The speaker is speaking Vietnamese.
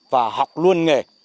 và học luôn nghề